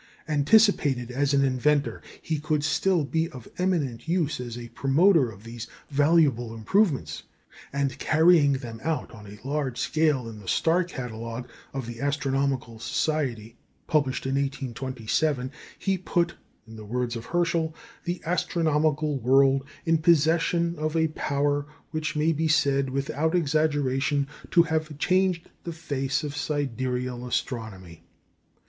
Anticipated as an inventor, he could still be of eminent use as a promoter of these valuable improvements; and, carrying them out on a large scale in the star catalogue of the Astronomical Society (published in 1827), "he put" (in the words of Herschel) "the astronomical world in possession of a power which may be said, without exaggeration, to have changed the face of sidereal astronomy."